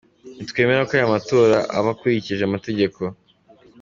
"Ntitwemera ko aya matora yari akurikije amategeko.